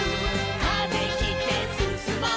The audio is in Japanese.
「風切ってすすもう」